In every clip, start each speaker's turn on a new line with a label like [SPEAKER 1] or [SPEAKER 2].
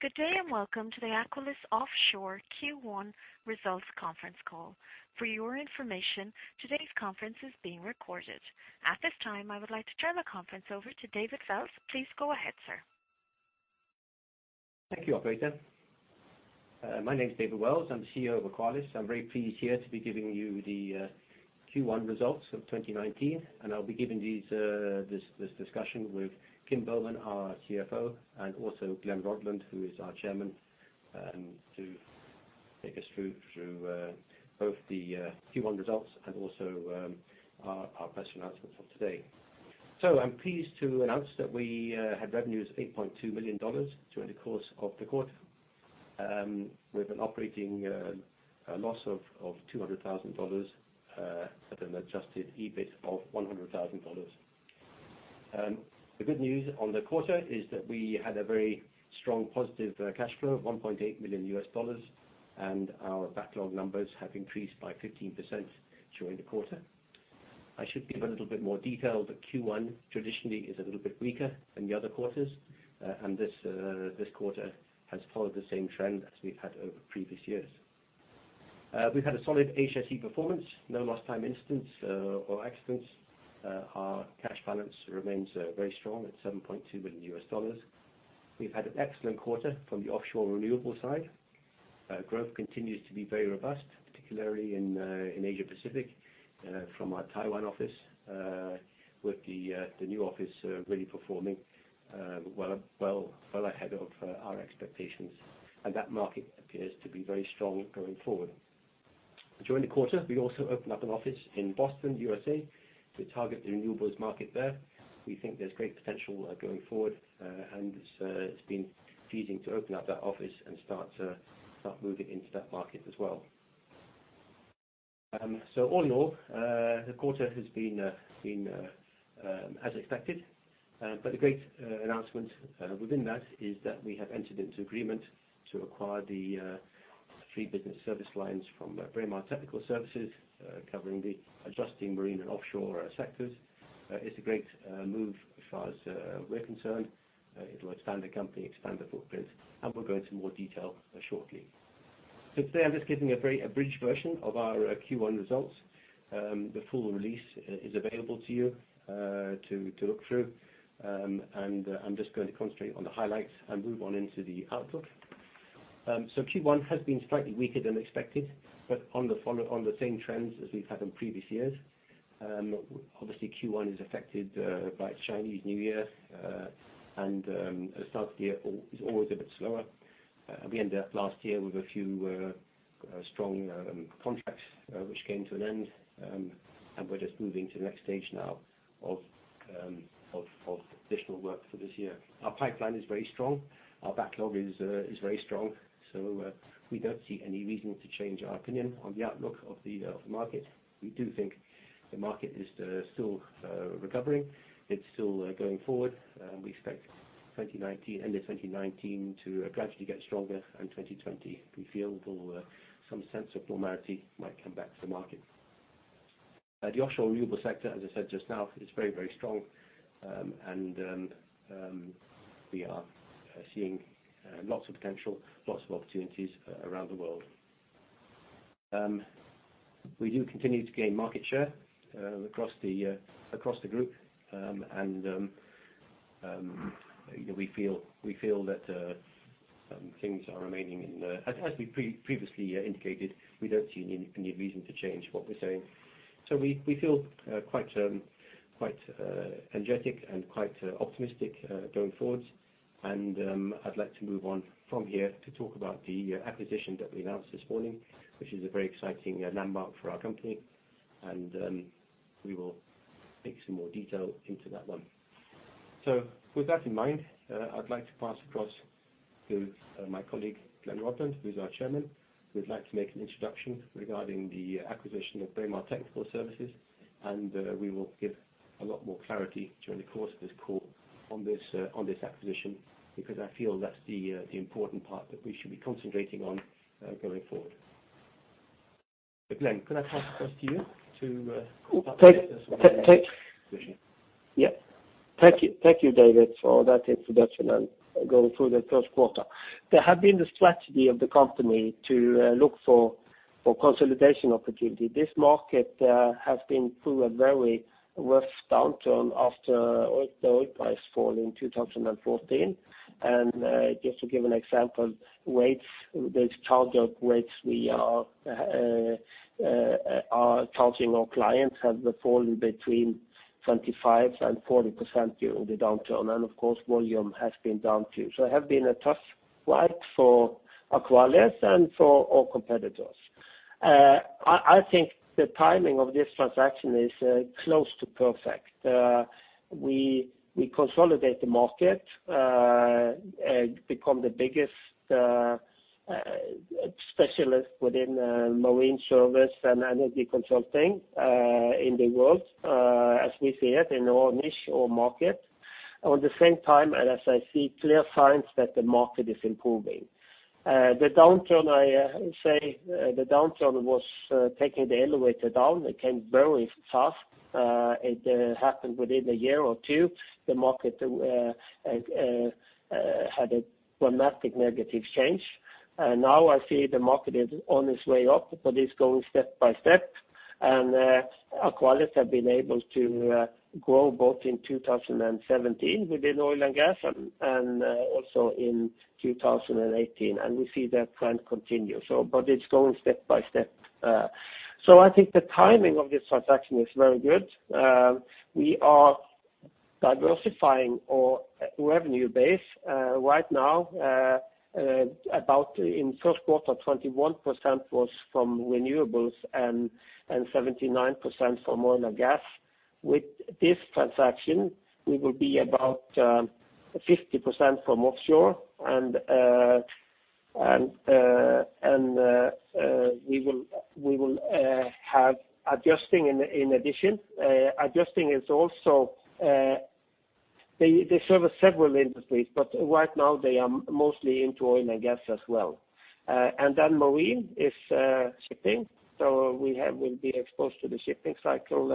[SPEAKER 1] Good day, welcome to the Aqualis Offshore Q1 Results Conference Call. For your information, today's conference is being recorded. At this time, I would like to turn the conference over to David Wells. Please go ahead, sir.
[SPEAKER 2] Thank you, operator. My name's David Wells. I'm the CEO of Aqualis. I'm very pleased here to be giving you the Q1 results of 2019. I'll be giving this discussion with Kim Boman, our CFO, Glen Rødland, who is our Chairman, to take us through both the Q1 results and our press announcements for today. I'm pleased to announce that we had revenues of $8.2 million during the course of the quarter, with an operating loss of $200,000 at an adjusted EBIT of $100,000. The good news on the quarter is that we had a very strong positive cash flow of $1.8 million, and our backlog numbers have increased by 15% during the quarter. I should give a little bit more detail that Q1 traditionally is a little bit weaker than the other quarters. This quarter has followed the same trend as we've had over previous years. We've had a solid HSE performance, no lost time incidents or accidents. Our cash balance remains very strong at $7.2 million. We've had an excellent quarter from the offshore renewable side. Growth continues to be very robust, particularly in Asia Pacific, from our Taiwan office, with the new office really performing well ahead of our expectations. That market appears to be very strong going forward. During the quarter, we also opened up an office in Boston, U.S.A., to target the renewables market there. We think there's great potential going forward. It's been pleasing to open up that office and start moving into that market as well. All in all, the quarter has been as expected. The great announcement within that is that we have entered into agreement to acquire the three business service lines from Braemar Technical Services, covering the adjusting marine and offshore sectors. It's a great move as far as we're concerned. It'll expand the company, expand the footprint, and we'll go into more detail shortly. Today, I'm just giving a very abridged version of our Q1 results. The full release is available to you to look through. I'm just going to concentrate on the highlights and move on into the outlook. Q1 has been slightly weaker than expected, but on the same trends as we've had in previous years. Obviously, Q1 is affected by Chinese New Year. The start of the year is always a bit slower. We ended up last year with a few strong contracts, which came to an end. We're just moving to the next stage now of additional work for this year. Our pipeline is very strong. Our backlog is very strong. We don't see any reason to change our opinion on the outlook of the market. We do think the market is still recovering. It's still going forward. We expect end of 2019 to gradually get stronger. 2020 we feel some sense of normality might come back to the market. The offshore renewable sector, as I said just now, is very strong. We are seeing lots of potential, lots of opportunities around the world. We do continue to gain market share across the group. We feel that some things are remaining. As we previously indicated, we don't see any reason to change what we're saying. We feel quite energetic and quite optimistic going forward. I'd like to move on from here to talk about the acquisition that we announced this morning, which is a very exciting landmark for our company. We will take some more detail into that one. With that in mind, I'd like to pass across to my colleague, Glen Rødland, who's our Chairman, who'd like to make an introduction regarding the acquisition of Braemar Technical Services. We will give a lot more clarity during the course of this call on this acquisition because I feel that's the important part that we should be concentrating on going forward. Glen, can I pass across to you to.
[SPEAKER 3] Thank you, David, for that introduction and going through the first quarter. There have been the strategy of the company to look for consolidation opportunity. This market has been through a very rough downturn after the oil price fall in 2014. Just to give an example, those charge-out rates we are charging our clients have fallen between 25%-40% during the downturn. Of course, volume has been down, too. It has been a tough ride for Aqualis and for all competitors. I think the timing of this transaction is close to perfect. We consolidate the market, become the biggest specialist within marine service and energy consulting in the world, as we see it in our niche or market. At the same time, and as I see clear signs that the market is improving. The downturn was taking the elevator down. It came very fast. It happened within a year or two. The market had a dramatic negative change. Now I see the market is on its way up, but it's going step by step. Aqualis have been able to grow both in 2017 within oil and gas, and also in 2018. We see that trend continue. It's going step by step. I think the timing of this transaction is very good. We are diversifying our revenue base. Right now, about in first quarter, 21% was from renewables and 79% from oil and gas. With this transaction, we will be about 50% from offshore. We will have adjusting in addition. Adjusting is also. They service several industries, but right now they are mostly into oil and gas as well. Marine is shipping, so we'll be exposed to the shipping cycle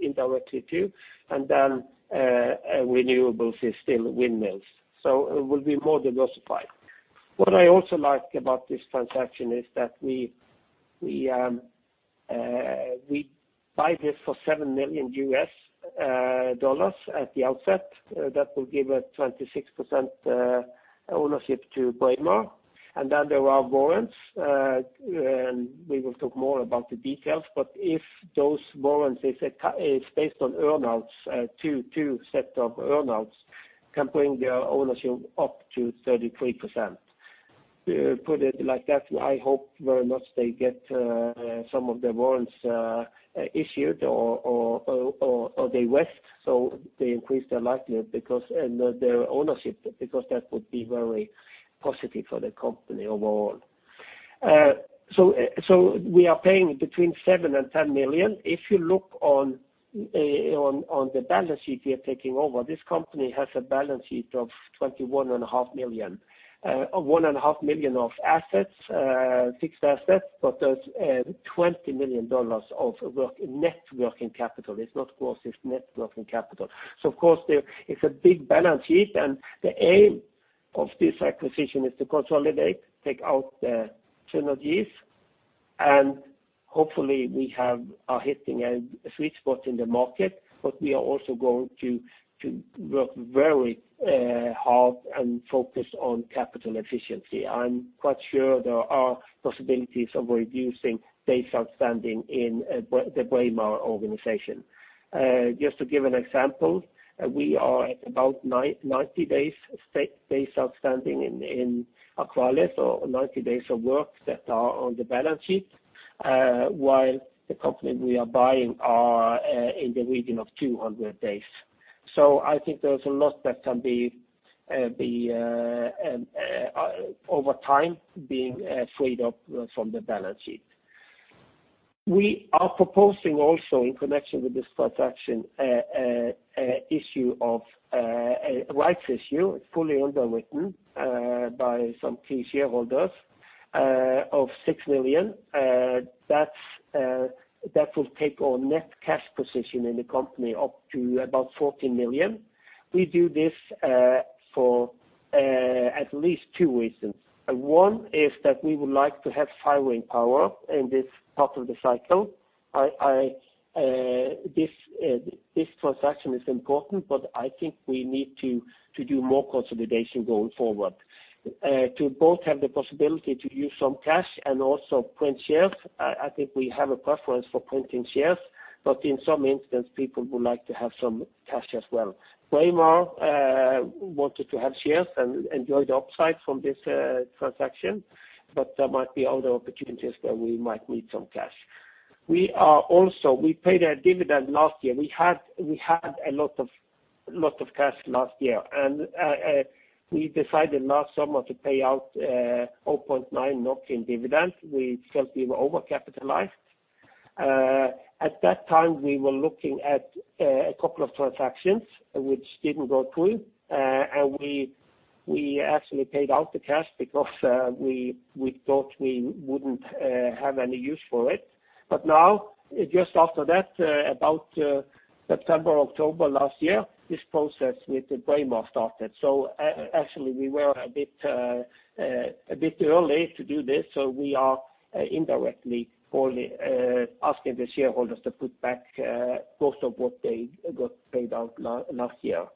[SPEAKER 3] indirectly too. Renewables is still windmills. It will be more diversified. What I also like about this transaction is that we buy this for $7 million at the outset. That will give a 26% ownership to Braemar. There are warrants, we will talk more about the details, but if those warrants is based on earn-outs, two set of earn-outs, can bring the ownership up to 33%. Put it like that. I hope very much they get some of the warrants issued or they vest, so they increase their ownership, because that would be very positive for the company overall. We are paying between $7 million and $10 million. If you look on the balance sheet we are taking over, this company has a balance sheet of $21.5 million of assets, fixed assets, but there's $20 million of net working capital. It's not gross, it's net working capital. Of course it's a big balance sheet and the aim of this acquisition is to consolidate, take out the synergies and hopefully we are hitting a sweet spot in the market. We are also going to work very hard and focus on capital efficiency. I'm quite sure there are possibilities of reducing days outstanding in the Braemar organization. Just to give an example, we are at about 90 days outstanding in Aqualis or 90 days of work that are on the balance sheet, while the company we are buying are in the region of 200 days. I think there's a lot that can be, over time, being freed up from the balance sheet. We are proposing also in connection with this transaction, a rights issue. It's fully underwritten by some key shareholders of $6 million. That will take our net cash position in the company up to about $14 million. We do this for at least two reasons. One is that we would like to have firing power in this part of the cycle. This transaction is important, but I think we need to do more consolidation going forward. To both have the possibility to use some cash and also print shares. I think we have a preference for printing shares, but in some instance, people would like to have some cash as well. Braemar wanted to have shares and enjoy the upside from this transaction, but there might be other opportunities where we might need some cash. We paid a dividend last year. We had a lot of cash last year, and we decided last summer to pay out 0.9 NOK in dividends. We felt we were overcapitalized. At that time, we were looking at a couple of transactions which didn't go through. We actually paid out the cash because we thought we wouldn't have any use for it. Now, just after that, about September, October last year, this process with the Braemar started. Actually we were a bit early to do this, so we are indirectly asking the shareholders to put back most of what they got paid out last year,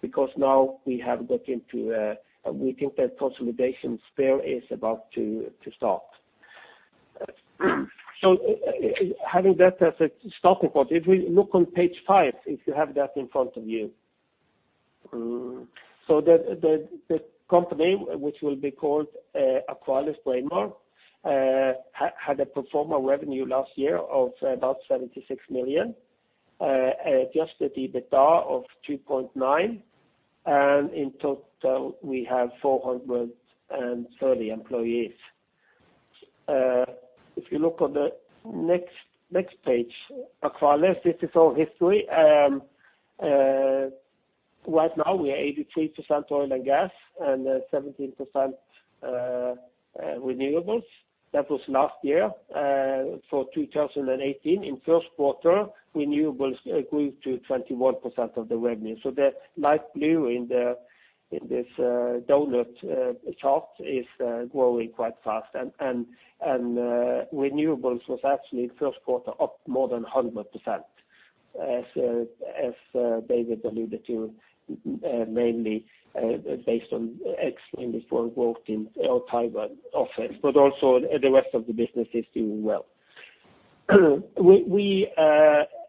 [SPEAKER 3] because now we think that consolidation spare is about to start. Having that as a starting point, if we look on page five, if you have that in front of you. The company which will be called AqualisBraemar, had a pro forma revenue last year of about $76 million. Adjusted EBITDA of 2.9. In total, we have 430 employees. If you look on the next page, Aqualis, this is our history. Right now, we are 83% oil and gas and 17% renewables. That was last year. For 2018, in first quarter, renewables grew to 21% of the revenue. The light blue in this doughnut chart is growing quite fast. Renewables was actually first quarter up more than 100%, as David alluded to, mainly based on [X-energy] work in Taiwan office, but also the rest of the business is doing well.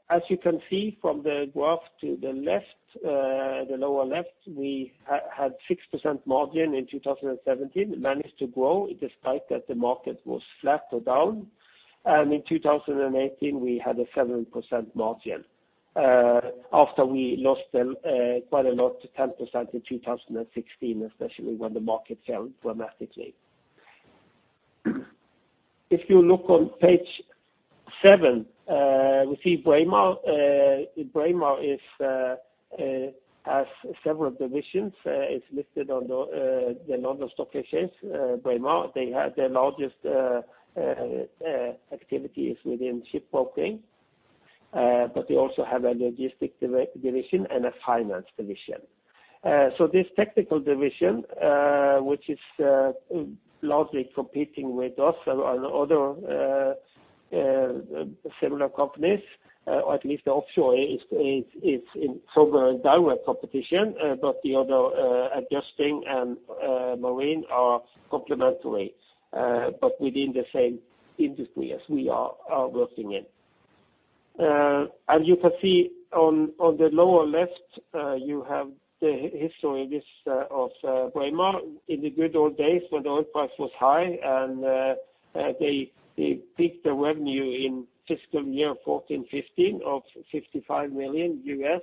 [SPEAKER 3] As you can see from the graph to the lower left, we had 6% margin in 2017, managed to grow despite that the market was flat or down. In 2018, we had a 7% margin, after we lost quite a lot to 10% in 2016, especially when the market fell dramatically. If you look on page seven, we see Braemar. Braemar has several divisions. It is listed on the London Stock Exchange. Braemar, their largest activity is within shipbroking, but they also have a logistic division and a finance division. This technical division, which is largely competing with us and other similar companies, or at least offshore is in proper direct competition. The other adjusting and marine are complementary, but within the same industry as we are working in. As you can see on the lower left, you have the history of Braemar. In the good old days when the oil price was high, they peaked their revenue in fiscal year 2014-2015 of $55 million US.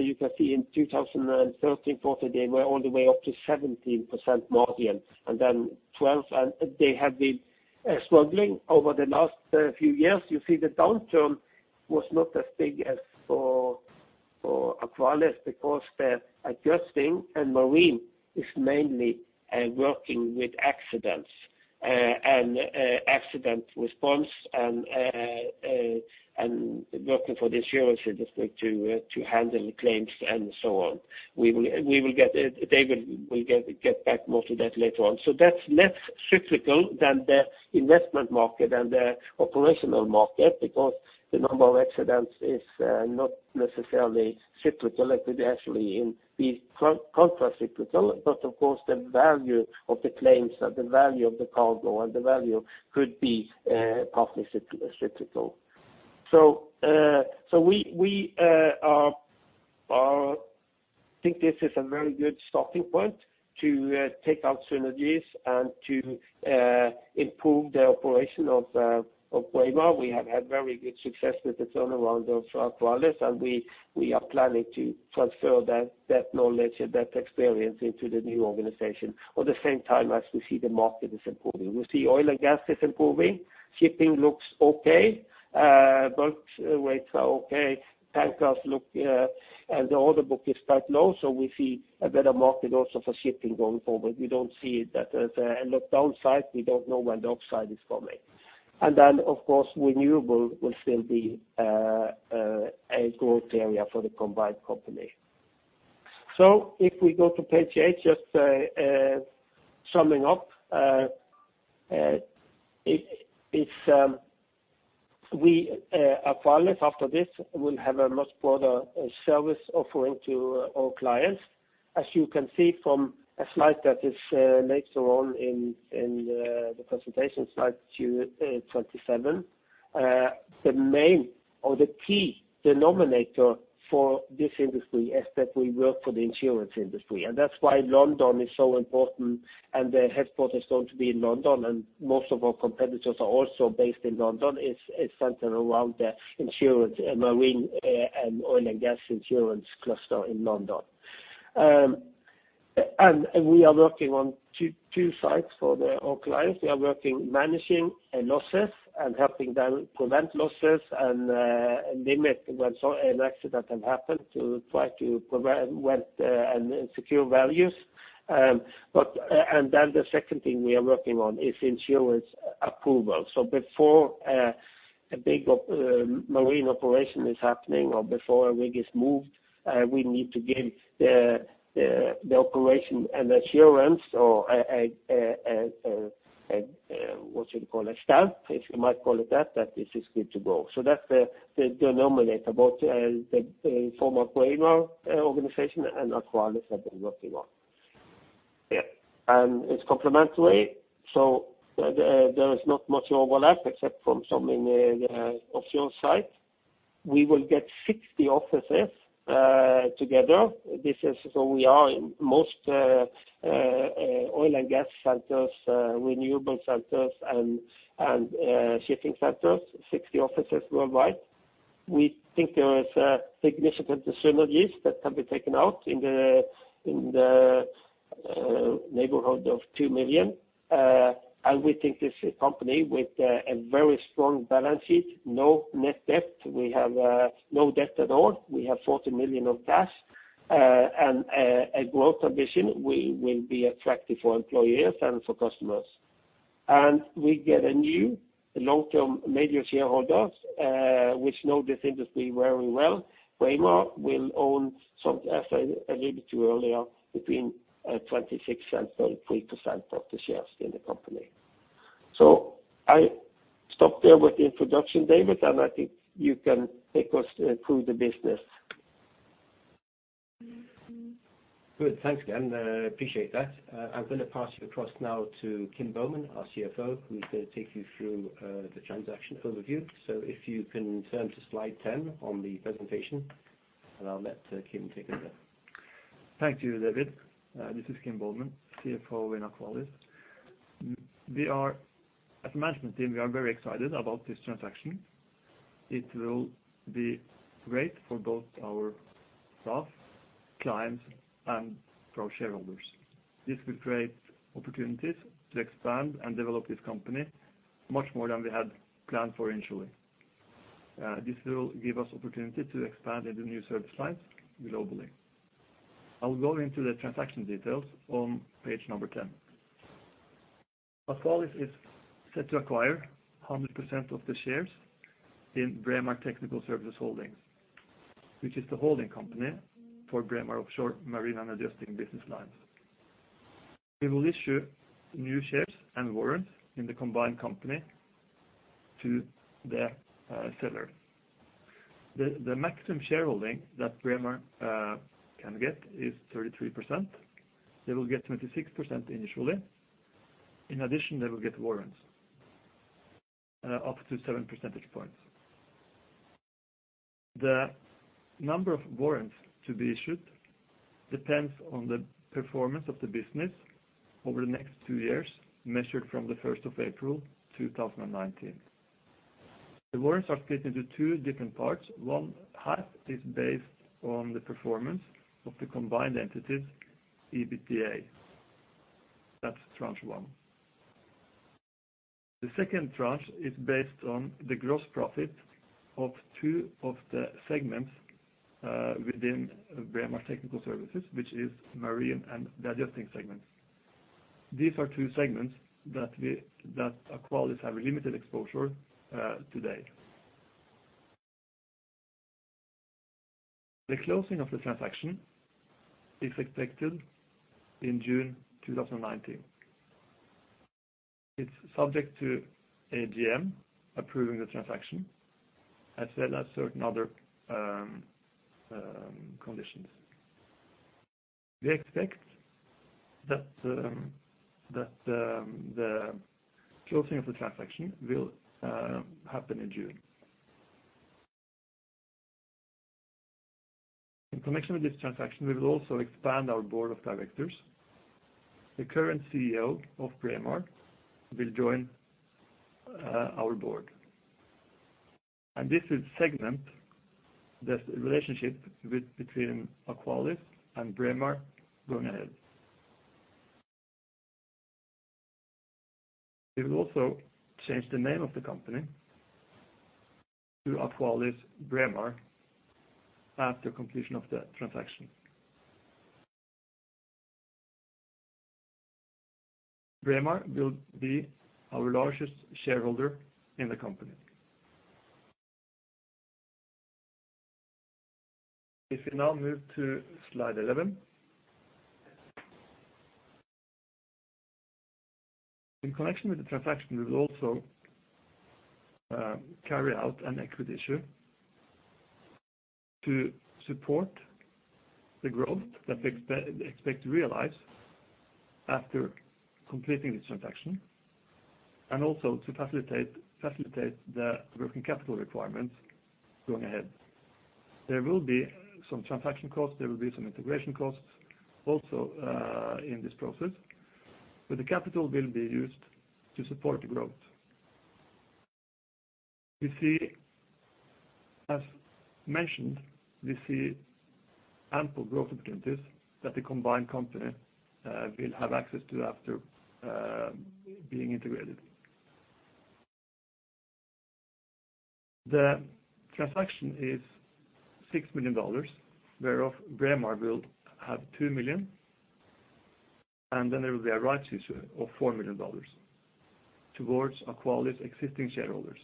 [SPEAKER 3] You can see in 2013-2014, they were all the way up to 17% margin. Then 12, and they have been struggling over the last few years. You see the downturn was not as big as for Aqualis because the adjusting and marine is mainly working with accidents and accident response and working for the insurance industry to handle claims and so on. David will get back most of that later on. That is less cyclical than the investment market and the operational market because the number of accidents is not necessarily cyclical. It could actually be contra-cyclical. Of course, the value of the claims and the value of the cargo and the value could be awfully cyclical. We think this is a very good starting point to take out synergies and to improve the operation of Braemar. We have had very good success with the turnaround of Aqualis. We are planning to transfer that knowledge and that experience into the new organization at the same time as we see the market is improving. We see oil and gas is improving. Shipping looks okay. Bulk rates are okay. The order book is quite low, so we see a better market also for shipping going forward. We do not see it at the downside. We do not know when the upside is coming. Then, of course, renewable will still be a growth area for the combined company. If we go to page eight, just summing up. Aqualis, after this, will have a much broader service offering to our clients. As you can see from a slide that is later on in the presentation, slide 27. The main or the key denominator for this industry is that we work for the insurance industry. That is why London is so important and the headquarters going to be in London. Most of our competitors are also based in London. It's centered around the marine and oil and gas insurance cluster in London. We are working on two sides for all clients. We are working managing losses and helping them prevent losses and limit when an accident has happened to try to prevent and secure values. The second thing we are working on is insurance approval. Before a big marine operation is happening or before a rig is moved, we need to give the operation an assurance or a, what you call a stamp, if you might call it that this is good to go. That's the denominator, both the former Braemar organization and Aqualis have been working on. Yeah. It's complementary, so there is not much overlap except from some in the offshore side. We will get 60 offices together. This is where we are in most oil and gas centers, renewable centers, and shipping centers, 60 offices worldwide. We think there is significant synergies that can be taken out in the neighborhood of $2 million. We think this is a company with a very strong balance sheet, no net debt. We have no debt at all. We have 40 million of cash and a growth ambition. We will be attractive for employees and for customers. We get a new long-term major shareholder which know this industry very well. Braemar will own some, as I alluded to earlier, between 26%-33% of the shares in the company. I stop there with the introduction, David, and I think you can take us through the business.
[SPEAKER 2] Good. Thanks again. Appreciate that. I'm going to pass you across now to Kim Boman, our CFO, who's going to take you through the transaction overview. If you can turn to slide 10 on the presentation, I'll let Kim take it away.
[SPEAKER 4] Thank you, David. This is Kim Boman, CFO in Aqualis. As a management team, we are very excited about this transaction. It will be great for both our staff, clients, and for our shareholders. This will create opportunities to expand and develop this company much more than we had planned for initially. This will give us opportunity to expand into new service lines globally. I will go into the transaction details on page number 10. Aqualis is set to acquire 100% of the shares in Braemar Technical Services Holdings, which is the holding company for Braemar Offshore Marine and Adjusting business lines. We will issue new shares and warrants in the combined company to the seller. The maximum shareholding that Braemar can get is 33%. They will get 26% initially. In addition, they will get warrants, up to seven percentage points. The number of warrants to be issued depends on the performance of the business over the next two years, measured from the 1st of April 2019. The warrants are split into two different parts. One half is based on the performance of the combined entities' EBITDA. That's tranche one. The second tranche is based on the gross profit of two of the segments within Braemar Technical Services, which is Marine and the Adjusting segments. These are two segments that Aqualis have a limited exposure today. The closing of the transaction is expected in June 2019. It's subject to AGM approving the transaction as well as certain other conditions. We expect that the closing of the transaction will happen in June. In connection with this transaction, we will also expand our board of directors. The current CEO of Braemar will join our board. This will segment the relationship between Aqualis and Braemar going ahead. We will also change the name of the company to AqualisBraemar after completion of the transaction. Braemar will be our largest shareholder in the company. If we now move to slide 11. In connection with the transaction, we will also carry out an equity issue to support the growth that we expect to realize after completing this transaction and also to facilitate the working capital requirements going ahead. There will be some transaction costs, there will be some integration costs also in this process. The capital will be used to support the growth. As mentioned, we see ample growth opportunities that the combined company will have access to after being integrated. The transaction is $6 million, whereof Braemar will have $2 million, and then there will be a rights issue of $4 million towards Aqualis existing shareholders.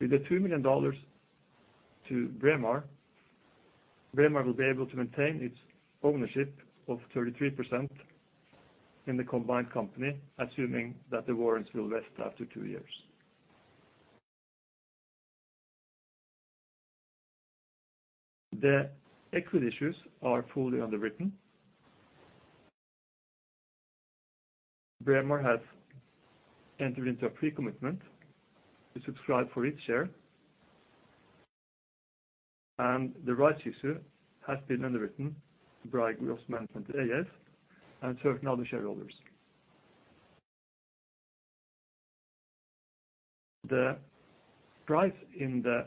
[SPEAKER 4] With the $2 million to Braemar will be able to maintain its ownership of 33% in the combined company, assuming that the warrants will vest after two years. The equity issues are fully underwritten. Braemar has entered into a pre-commitment to subscribe for its share. The rights issue has been underwritten by Grossman & Co ASA and certain other shareholders. The price in the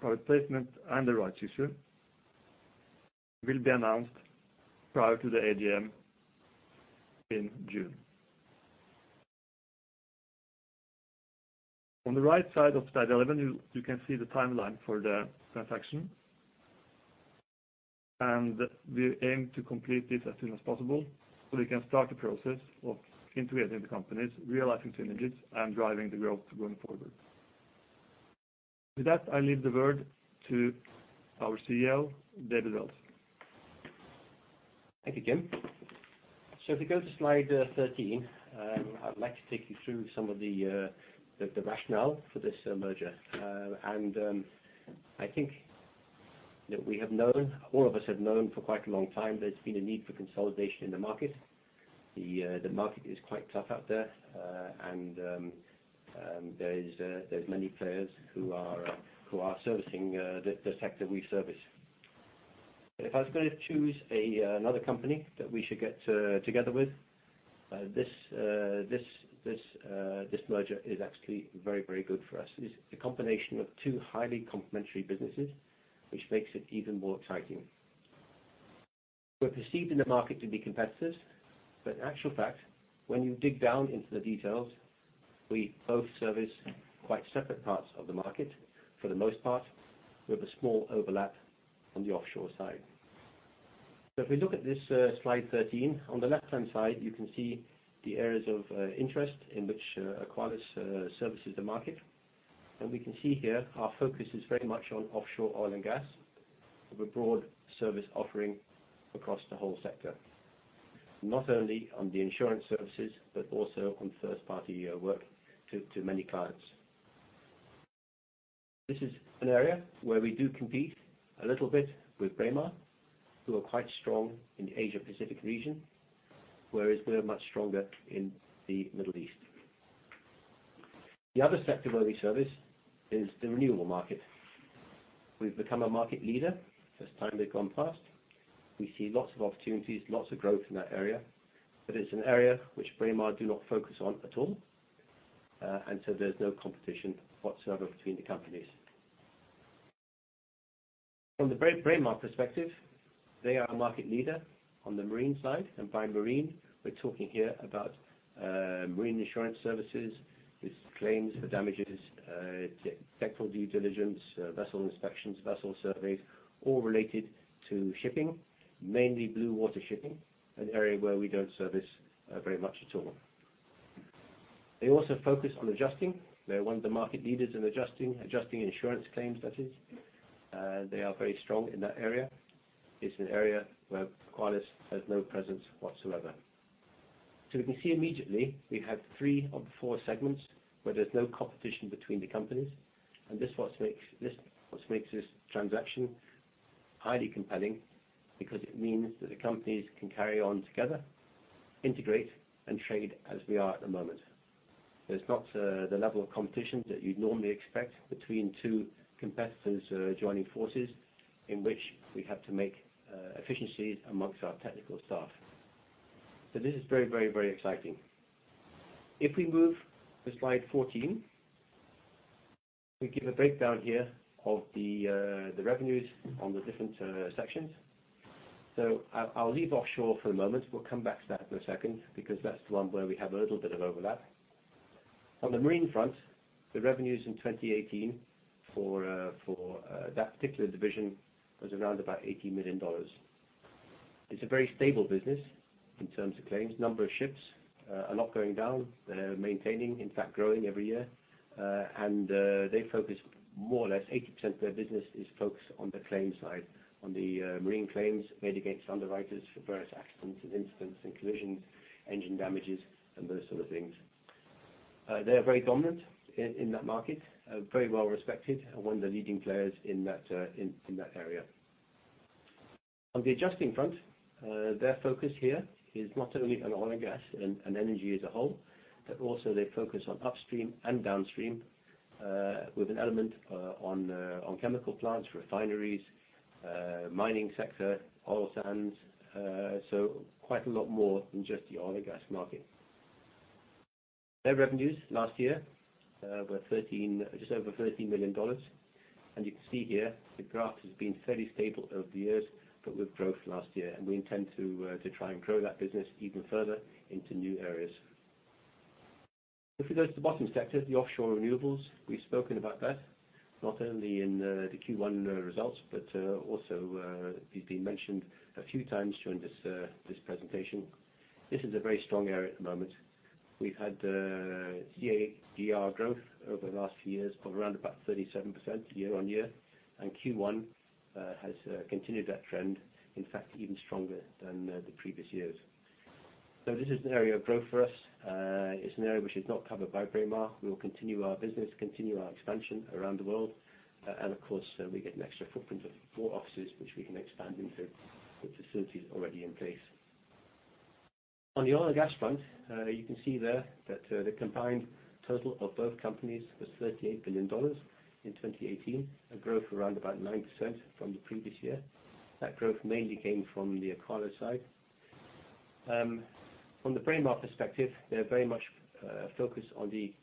[SPEAKER 4] private placement and the rights issue will be announced prior to the AGM in June. On the right side of slide 11, you can see the timeline for the transaction. We aim to complete this as soon as possible so we can start the process of integrating the companies, realizing synergies, and driving the growth going forward. With that, I leave the word to our CEO, David Wells.
[SPEAKER 2] Thank you, Kim. If you go to slide 13, I'd like to take you through some of the rationale for this merger. I think that all of us have known for quite a long time, there's been a need for consolidation in the market. The market is quite tough out there, and there's many players who are servicing the sector we service. If I was going to choose another company that we should get together with, this merger is actually very good for us. It's a combination of two highly complementary businesses, which makes it even more exciting. We're perceived in the market to be competitors, but in actual fact, when you dig down into the details, we both service quite separate parts of the market for the most part, with a small overlap on the offshore side. If we look at this slide 13, on the left-hand side, you can see the areas of interest in which Aqualis services the market. We can see here our focus is very much on offshore oil and gas with a broad service offering across the whole sector. Not only on the insurance services, but also on first-party work to many clients. This is an area where we do compete a little bit with Braemar, who are quite strong in the Asia Pacific region, whereas we're much stronger in the Middle East. The other sector where we service is the renewable market. We've become a market leader this time we've gone past. We see lots of opportunities, lots of growth in that area. It's an area which Braemar do not focus on at all. There's no competition whatsoever between the companies. From the Braemar perspective, they are a market leader on the marine side. By marine, we're talking here about marine insurance services with claims for damages, technical due diligence, vessel inspections, vessel surveys, all related to shipping, mainly blue water shipping, an area where we don't service very much at all. They also focus on adjusting. They're one of the market leaders in adjusting insurance claims, that is. They are very strong in that area. It's an area where Aqualis has no presence whatsoever. We can see immediately we have three of the four segments where there's no competition between the companies. This what makes this transaction highly compelling because it means that the companies can carry on together, integrate, and trade as we are at the moment. There's not the level of competition that you'd normally expect between two competitors joining forces in which we have to make efficiencies amongst our technical staff. This is very exciting. If we move to slide 14, we give a breakdown here of the revenues on the different sections. I'll leave offshore for a moment. We'll come back to that in a second because that's the one where we have a little bit of overlap. On the marine front, the revenues in 2018 for that particular division was around about $18 million. It's a very stable business in terms of claims. Number of ships are not going down. They're maintaining, in fact, growing every year. They focus more or less, 80% of their business is focused on the claims side, on the marine claims made against underwriters for various accidents and incidents and collisions, engine damages, and those sort of things. They are very dominant in that market, very well respected and one of the leading players in that area. On the adjusting front, their focus here is not only on oil and gas and energy as a whole, but also they focus on upstream and downstream with an element on chemical plants, refineries, mining sector, oil sands. Quite a lot more than just the oil and gas market. Their revenues last year were just over $13 million. You can see here the graph has been fairly stable over the years, but with growth last year. We intend to try and grow that business even further into new areas. If we go to the bottom sector, the offshore renewables, we've spoken about that, not only in the Q1 results, but also it's been mentioned a few times during this presentation. This is a very strong area at the moment. We've had CAGR growth over the last few years of around about 37% year-on-year, and Q1 has continued that trend, in fact, even stronger than the previous years. This is an area of growth for us. It's an area which is not covered by Braemar. We will continue our business, continue our expansion around the world. Of course, we get an extra footprint of four offices, which we can expand into with facilities already in place. On the oil and gas front, you can see there that the combined total of both companies was $38 million in 2018, a growth around about 9% from the previous year. That growth mainly came from the Aqualis side. From the Braemar perspective, they're very much focused on the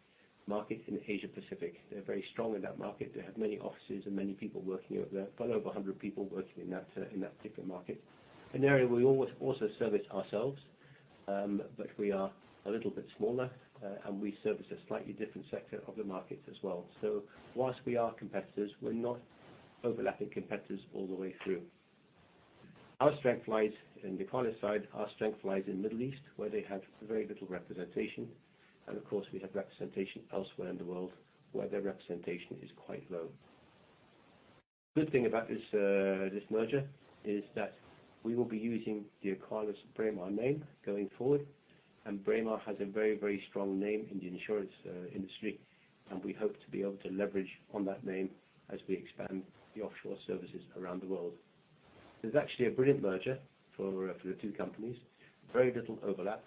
[SPEAKER 2] market in Asia Pacific. They're very strong in that market. They have many offices and many people working there, well over 100 people working in that particular market. An area we also service ourselves, but we are a little bit smaller, and we service a slightly different sector of the market as well. Whilst we are competitors, we're not overlapping competitors all the way through. In the Aqualis side, our strength lies in Middle East, where they have very little representation. Of course, we have representation elsewhere in the world where their representation is quite low. Good thing about this merger is that we will be using the AqualisBraemar name going forward, and Braemar has a very strong name in the insurance industry, and we hope to be able to leverage on that name as we expand the offshore services around the world. This is actually a brilliant merger for the two companies. Very little overlap.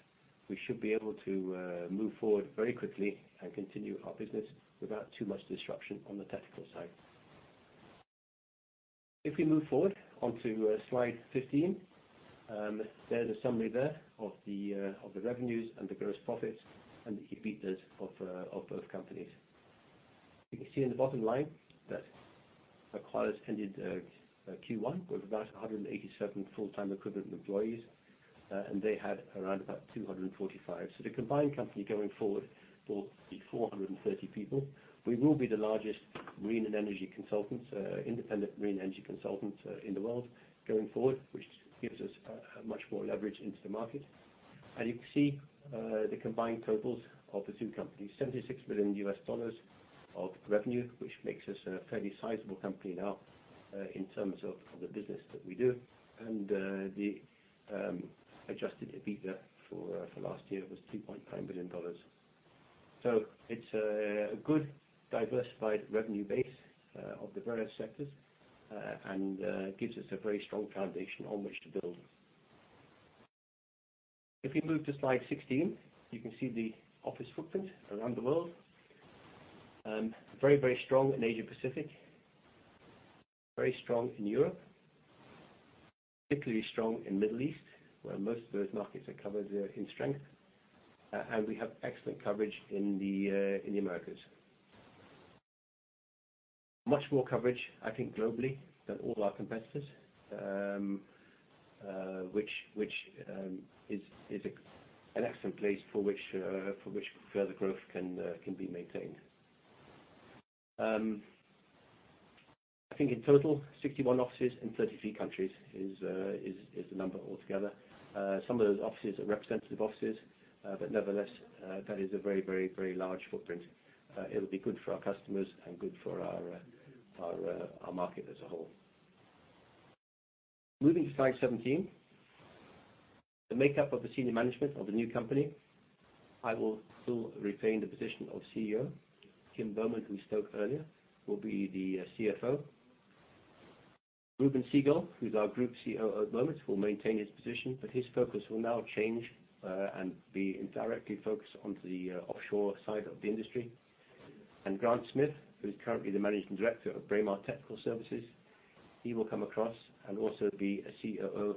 [SPEAKER 2] We should be able to move forward very quickly and continue our business without too much disruption on the technical side. If we move forward onto slide 15, there's a summary there of the revenues and the gross profits and the EBITDAs of both companies. You can see in the bottom line that Aqualis ended Q1 with about 187 full-time equivalent employees, and they had around about 245. The combined company going forward will be 430 people. We will be the largest marine and energy consultants, independent marine energy consultants in the world going forward, which gives us much more leverage into the market. You can see the combined totals of the two companies, $76 million of revenue, which makes us a fairly sizable company now in terms of the business that we do. The adjusted EBITDA for last year was $2.9 million. It's a good diversified revenue base of the various sectors, and gives us a very strong foundation on which to build. If we move to slide 16, you can see the office footprint around the world. Very strong in Asia Pacific, very strong in Europe, particularly strong in Middle East, where most of those markets are covered in strength. We have excellent coverage in the Americas. Much more coverage, I think globally, than all our competitors, which is an excellent place for which further growth can be maintained. I think in total, 61 offices in 33 countries is the number altogether. Some of those offices are representative offices. Nevertheless, that is a very large footprint. It'll be good for our customers and good for our market as a whole. Moving to slide 17, the makeup of the senior management of the new company. I will still retain the position of CEO. Kim Boman, who spoke earlier, will be the CFO. Reuben Segal, who's our Group CEO at the moment, will maintain his position, but his focus will now change, and be directly focused on the offshore side of the industry. Grant Smith, who's currently the Managing Director of Braemar Technical Services, he will come across and also be a COO,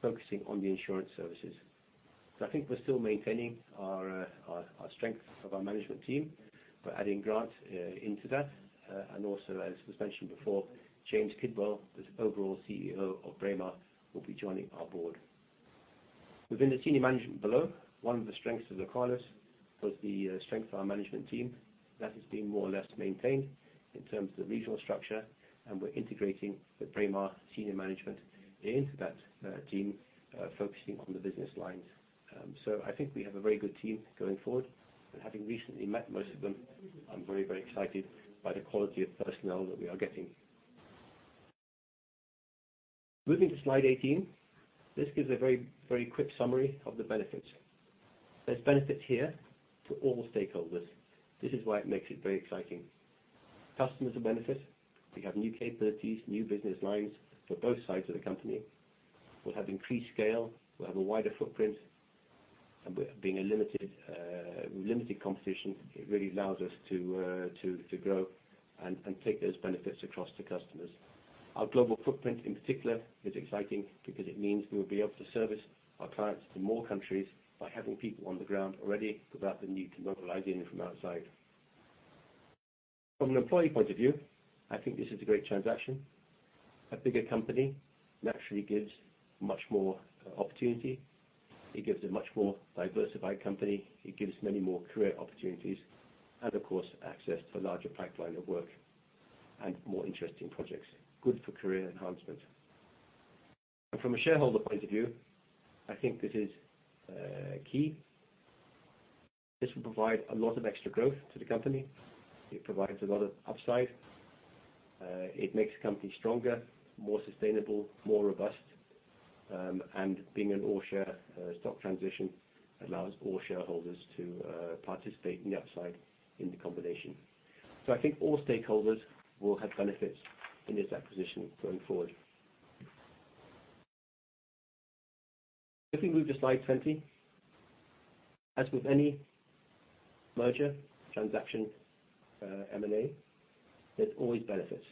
[SPEAKER 2] focusing on the insurance services. I think we're still maintaining our strength of our management team. We're adding Grant into that. Also, as was mentioned before, James Kidwell, the overall CEO of Braemar, will be joining our board. Within the senior management below, one of the strengths of Aqualis was the strength of our management team. That has been more or less maintained in terms of regional structure, and we're integrating the Braemar senior management into that team, focusing on the business lines. I think we have a very good team going forward. Having recently met most of them, I'm very excited by the quality of personnel that we are getting. Moving to slide 18, this gives a very quick summary of the benefits. There's benefits here to all stakeholders. This is why it makes it very exciting. Customers will benefit. We have new capabilities, new business lines for both sides of the company. We'll have increased scale, we'll have a wider footprint. With limited competition, it really allows us to grow and take those benefits across to customers. Our global footprint in particular is exciting because it means we will be able to service our clients to more countries by having people on the ground already without the need to localize in from outside. From an employee point of view, I think this is a great transaction. A bigger company naturally gives much more opportunity. It gives a much more diversified company. It gives many more career opportunities and of course, access to a larger pipeline of work and more interesting projects. Good for career enhancement. From a shareholder point of view, I think this is key. This will provide a lot of extra growth to the company. It provides a lot of upside. It makes the company stronger, more sustainable, more robust. Being an all-share stock transition allows all shareholders to participate in the upside in the combination. I think all stakeholders will have benefits in this acquisition going forward. If we move to slide 20. As with any merger, transaction, M&A, there's always benefits.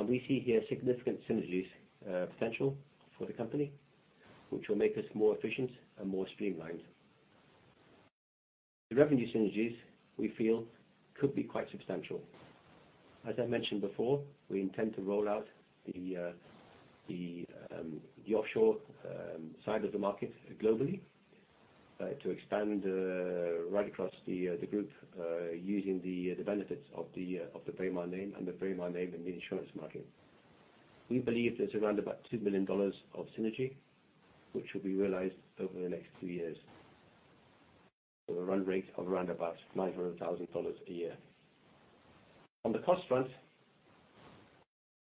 [SPEAKER 2] We see here significant synergies potential for the company, which will make us more efficient and more streamlined. The revenue synergies we feel could be quite substantial. As I mentioned before, we intend to roll out the offshore side of the market globally to expand right across the group using the benefits of the Braemar name and the Braemar name in the insurance market. We believe there's around about $2 million of synergy, which will be realized over the next 3 years, with a run rate of around about $900,000 a year. On the cost front,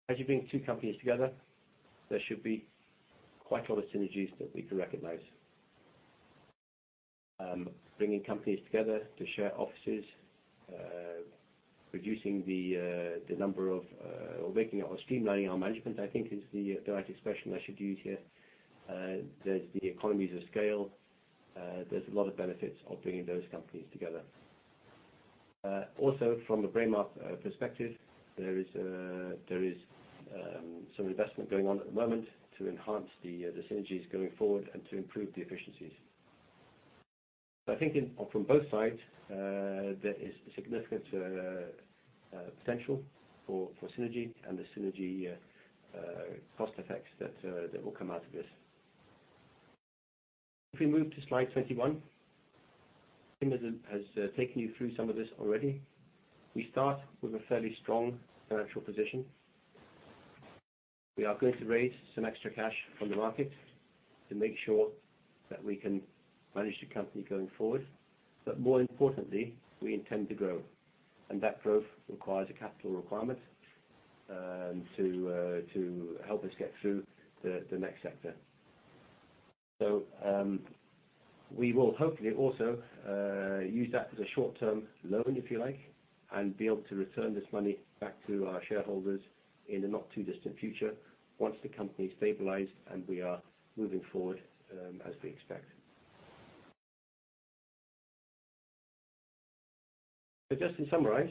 [SPEAKER 2] as you bring two companies together, there should be quite a lot of synergies that we can recognize. Bringing companies together to share offices, reducing the number of or streamlining our management, I think, is the right expression I should use here. There's the economies of scale. There's a lot of benefits of bringing those companies together. Also, from a Braemar perspective, there is some investment going on at the moment to enhance the synergies going forward and to improve the efficiencies. I think from both sides, there is significant potential for synergy and the synergy cost effects that will come out of this. If we move to slide 21. Kim has taken you through some of this already. We start with a fairly strong financial position. We are going to raise some extra cash from the market to make sure that we can manage the company going forward. More importantly, we intend to grow. That growth requires a capital requirement to help us get through the next sector. We will hopefully also use that as a short-term loan, if you like, and be able to return this money back to our shareholders in the not-too-distant future once the company is stabilized and we are moving forward as we expect. Just to summarize,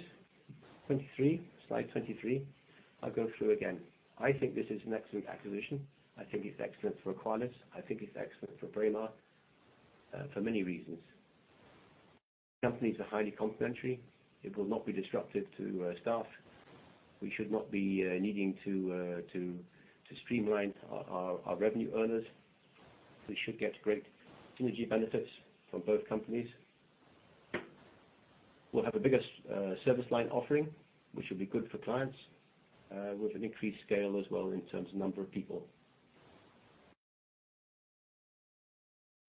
[SPEAKER 2] slide 23. I'll go through again. I think this is an excellent acquisition. I think it's excellent for Aqualis. I think it's excellent for Braemar for many reasons. The companies are highly complementary. It will not be disruptive to our staff. We should not be needing to streamline our revenue earners. We should get great synergy benefits from both companies. We'll have a bigger service line offering, which will be good for clients, with an increased scale as well in terms of number of people.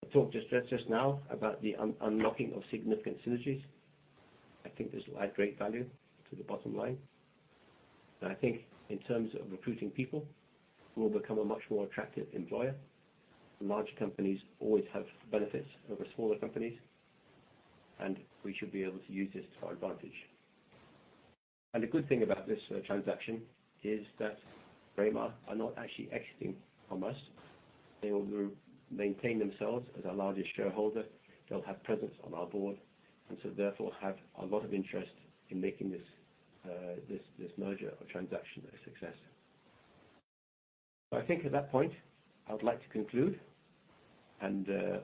[SPEAKER 2] I talked just now about the unlocking of significant synergies. I think this will add great value to the bottom line. I think in terms of recruiting people, we'll become a much more attractive employer. Larger companies always have benefits over smaller companies, and we should be able to use this to our advantage. The good thing about this transaction is that Braemar are not actually exiting from us. They will maintain themselves as our largest shareholder. They'll have presence on our board, and therefore have a lot of interest in making this merger or transaction a success. I think at that point, I would like to conclude.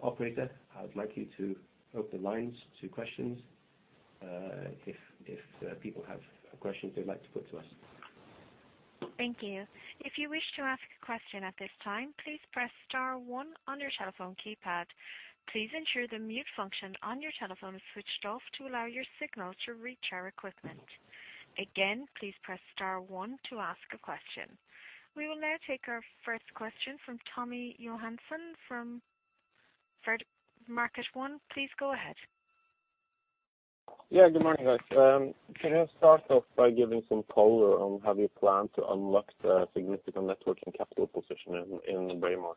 [SPEAKER 2] Operator, I would like you to open lines to questions if people have questions they'd like to put to us.
[SPEAKER 1] Thank you. If you wish to ask a question at this time, please press star one on your telephone keypad. Please ensure the mute function on your telephone is switched off to allow your signal to reach our equipment. Again, please press star one to ask a question. We will now take our first question from Tommy Johansen from Fearnley. Market 1, please go ahead.
[SPEAKER 5] Good morning, guys. Can you start off by giving some color on how you plan to unlock the significant net working capital position in Braemar?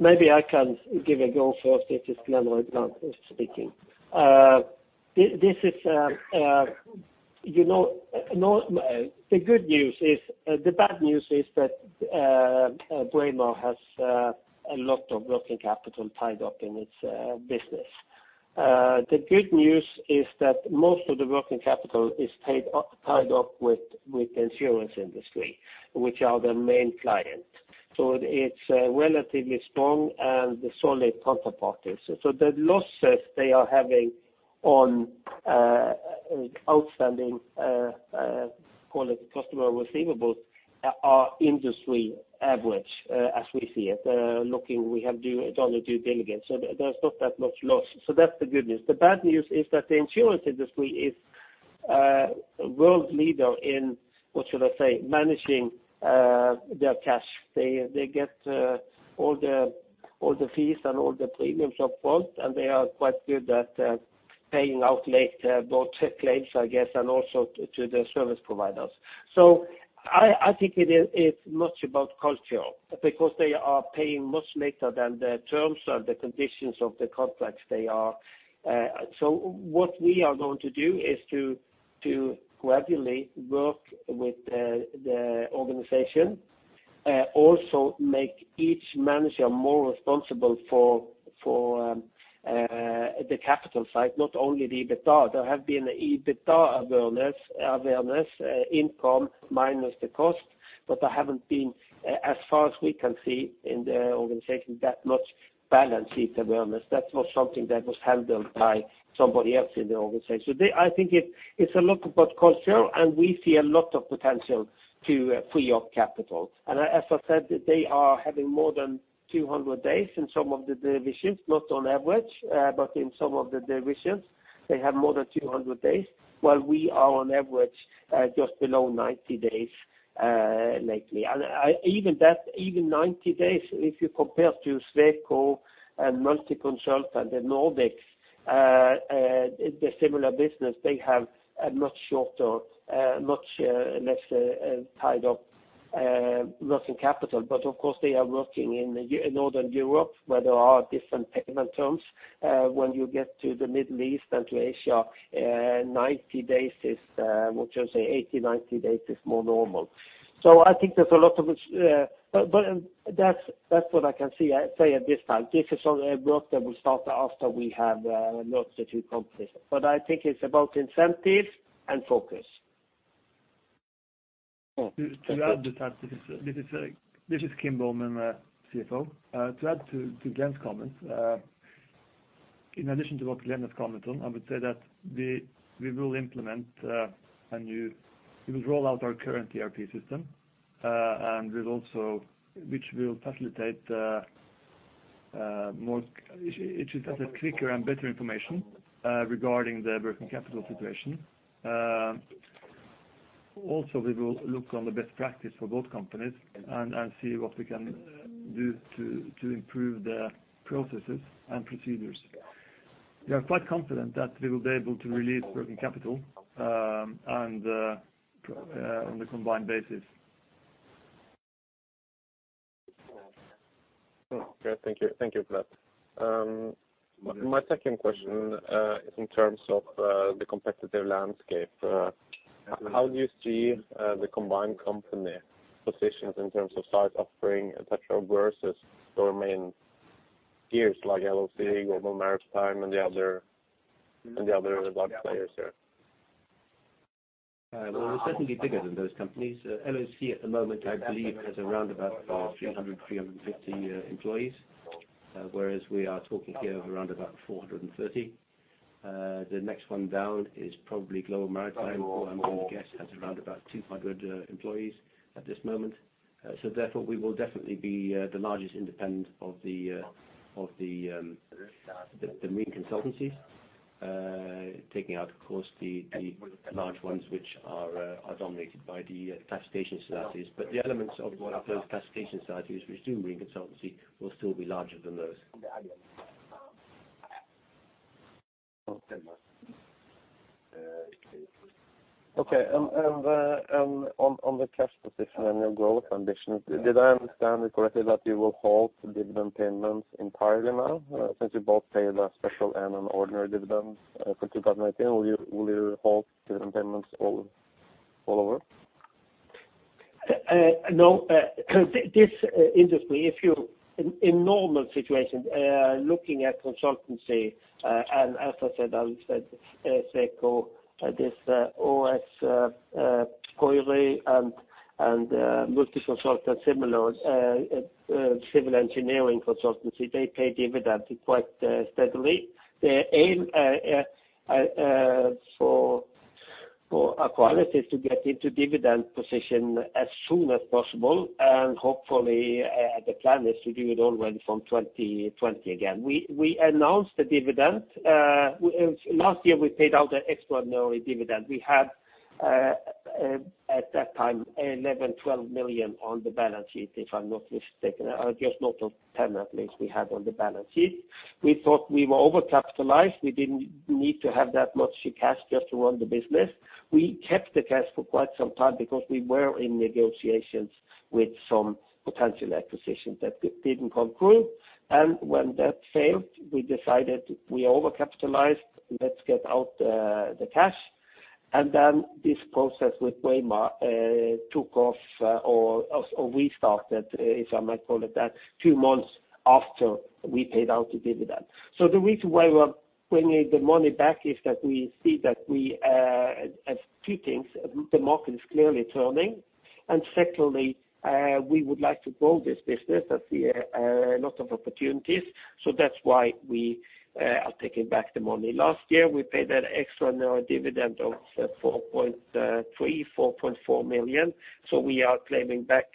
[SPEAKER 3] Maybe I can give a go first if it's Glen or David who's speaking. The bad news is that Braemar has a lot of working capital tied up in its business. The good news is that most of the working capital is tied up with the insurance industry, which are their main client. It's relatively strong and solid counterparty. The losses they are having on outstanding, call it customer receivables, are industry average as we see it. Looking, we have done a due diligence. There's not that much loss. That's the good news. The bad news is that the insurance industry is a world leader in, what should I say, managing their cash. They get all the fees and all the premiums upfront, and they are quite good at paying out late claims, I guess, and also to the service providers. I think it is much about culture because they are paying much later than the terms and the conditions of the contracts. What we are going to do is to gradually work with the organization. Also make each manager more responsible for the capital side, not only the EBITDA. There have been EBITDA awareness, income minus the cost, but there haven't been, as far as we can see in the organization, that much balance sheet awareness. That was something that was handled by somebody else in the organization. I think it's a lot about culture, and we see a lot of potential to free up capital. As I said, they are having more than 200 days in some of the divisions, not on average, but in some of the divisions, they have more than 200 days, while we are on average, just below 90 days lately. Even 90 days, if you compare to Sweco and Multiconsult and the Nordics, the similar business, they have a much shorter, much less tied up working capital. Of course, they are working in Northern Europe where there are different payment terms. When you get to the Middle East and to Asia, 90 days is, what you say, 80, 90 days is more normal. I think there's a lot of it. That's what I can say at this time. This is all work that will start after we have merged the two companies. I think it's about incentives and focus.
[SPEAKER 4] To add to that. This is Kim Boman, CFO. To add to Glen's comments. In addition to what Glen has commented on, I would say that we will roll out our current ERP system, which will facilitate quicker and better information regarding the working capital situation. We will look on the best practice for both companies and see what we can do to improve their processes and procedures. We are quite confident that we will be able to release working capital on the combined basis.
[SPEAKER 5] Okay. Thank you for that. My second question is in terms of the competitive landscape. How do you see the combined company positions in terms of size offering, et cetera, versus the main peers like LOC, Global Maritime and the other large players there?
[SPEAKER 2] Well, we're certainly bigger than those companies. LOC at the moment, I believe, has around about 300, 350 employees, whereas we are talking here of around about 430. The next one down is probably Global Maritime, who I'm going to guess has around about 200 employees at this moment. Therefore, we will definitely be the largest independent of the marine consultancy, taking out, of course, the large ones which are dominated by the classification societies. The elements of those classification societies which do marine consultancy will still be larger than those.
[SPEAKER 5] Okay. On the cash position and your growth ambitions, did I understand it correctly that you will halt dividend payments entirely now? Since you both paid a special and an ordinary dividend for 2019, will you halt dividend payments all over?
[SPEAKER 3] No. This industry, in normal situations, looking at consultancy, as I said, Sweco, AFRY and Multiconsult and similar civil engineering consultancy, they pay dividends quite steadily. The aim for Aqualis is to get into dividend position as soon as possible, hopefully, the plan is to do it already from 2020 again. We announced the dividend. Last year, we paid out an extraordinary dividend. We had, at that time, 11, 12 million on the balance sheet, if I'm not mistaken. Just note of 10 at least we had on the balance sheet. We thought we were overcapitalized. We didn't need to have that much cash just to run the business. We kept the cash for quite some time because we were in negotiations with some potential acquisitions that didn't conclude. When that failed, we decided we overcapitalized, let's get out the cash. This process with Braemar took off or we started, if I might call it that, two months after we paid out the dividend. The reason why we're bringing the money back is that we see that we have two things. The market is clearly turning, and secondly, we would like to grow this business as we have a lot of opportunities. That's why we are taking back the money. Last year, we paid an extraordinary dividend of 4.3 million, 4.4 million. We are claiming back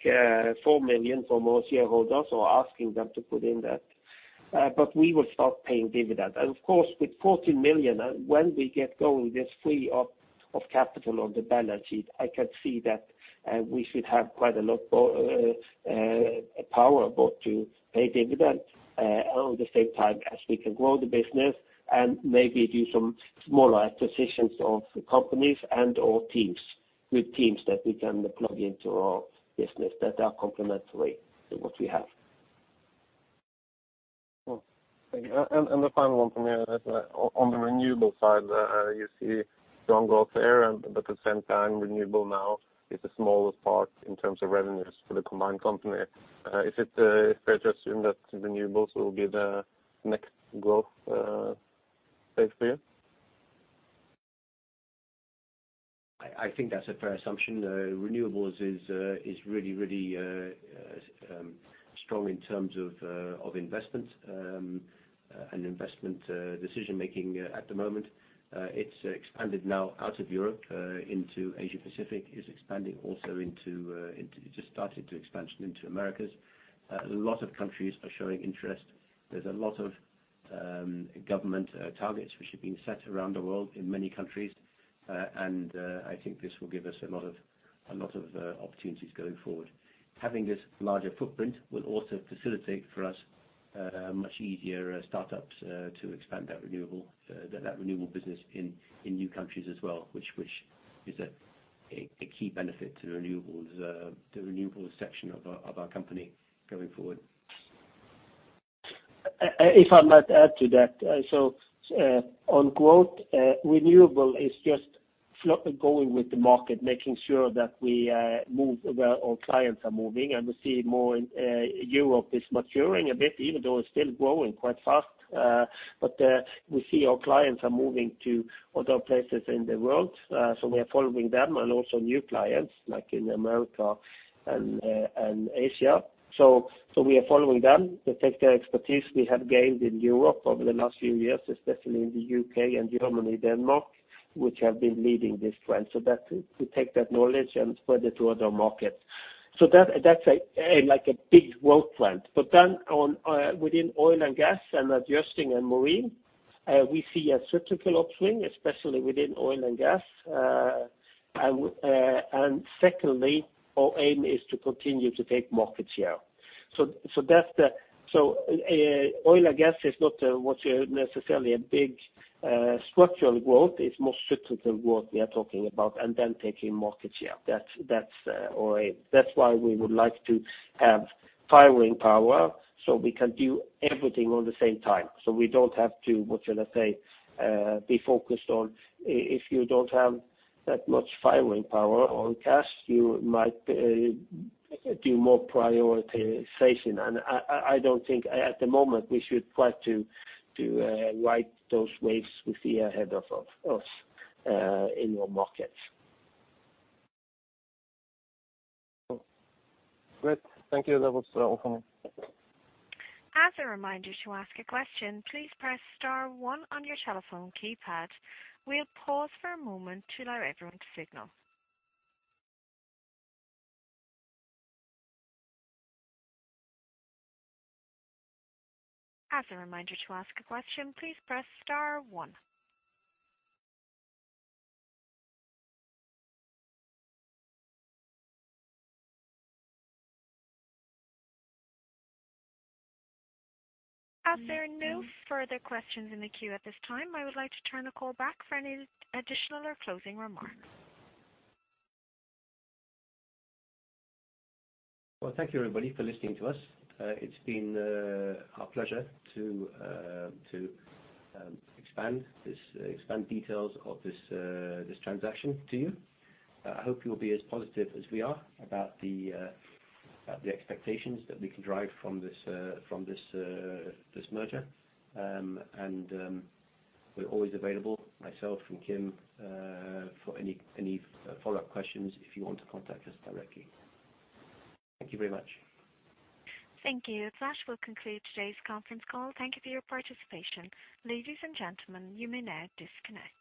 [SPEAKER 3] 4 million from our shareholders or asking them to put in that. We will start paying dividends. Of course, with $14 million, when we get going, this free up of capital on the balance sheet, I can see that we should have quite a lot power both to pay dividends at the same time as we can grow the business and maybe do some smaller acquisitions of companies and/or teams, good teams that we can plug into our business that are complementary to what we have.
[SPEAKER 5] Cool. Thank you. The final one from me is on the renewable side, you see strong growth there, but at the same time, renewable now is the smallest part in terms of revenues for the combined company. Is it fair to assume that renewables will be the next growth space for you?
[SPEAKER 2] I think that's a fair assumption. Renewables is really strong in terms of investment and investment decision-making at the moment. It's expanded now out of Europe into Asia Pacific. It just started to expansion into Americas. A lot of countries are showing interest. There's a lot of government targets which are being set around the world in many countries. I think this will give us a lot of opportunities going forward. Having this larger footprint will also facilitate for us much easier startups to expand that renewable business in new countries as well, which is a key benefit to the renewables section of our company going forward.
[SPEAKER 3] If I might add to that. On quote, renewable is just going with the market, making sure that we move where our clients are moving, and we see more. Europe is maturing a bit, even though it's still growing quite fast. We see our clients are moving to other places in the world. We are following them and also new clients like in America and Asia. We are following them to take the expertise we have gained in Europe over the last few years, especially in the U.K. and Germany, Denmark, which have been leading this trend, so that we take that knowledge and spread it to other markets. That's like a big growth plan. Within oil and gas and adjusting and marine, we see a cyclical upswing, especially within oil and gas. Secondly, our aim is to continue to take market share. Oil and gas is not what you necessarily a big structural growth, it's more cyclical growth we are talking about, and then taking market share. That's our aim. That's why we would like to have firing power, so we can do everything on the same time. We don't have to, what shall I say, be focused on, if you don't have that much firing power on cash, you might do more prioritization. I don't think at the moment we should try to ride those waves we see ahead of us in our markets.
[SPEAKER 5] Cool. Great. Thank you. That was all from me.
[SPEAKER 1] As a reminder, to ask a question, please press star one on your telephone keypad. We'll pause for a moment to allow everyone to signal. As a reminder, to ask a question, please press star one. As there are no further questions in the queue at this time, I would like to turn the call back for any additional or closing remarks.
[SPEAKER 2] Well, thank you, everybody, for listening to us. It's been our pleasure to expand details of this transaction to you. I hope you'll be as positive as we are about the expectations that we can drive from this merger. We're always available, myself and Kim, for any follow-up questions if you want to contact us directly. Thank you very much.
[SPEAKER 1] Thank you. That will conclude today's conference call. Thank you for your participation. Ladies and gentlemen, you may now disconnect.